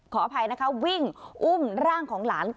ขออภัยนะคะวิ่งอุ้มร่างของหลาน